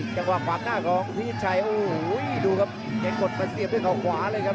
จังหวะขวางหน้าของพิชิตชัยโอ้โหดูครับแกกดมาเสียบด้วยเขาขวาเลยครับ